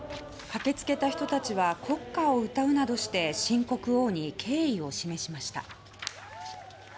駆けつけた人たちは国歌を歌うなどして新国王に敬意を示しました。